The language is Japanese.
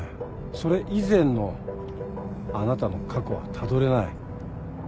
それ以前のあなたの過去はたどれない。